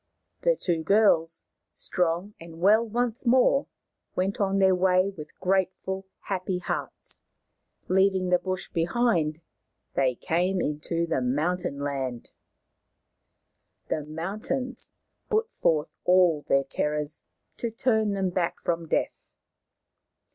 The two girls, strong and well once more, went on their way with grateful, happy hearts. Leaving the bush behind, they came into the mountain land. The mountains put forth all their terrors to turn them back from death.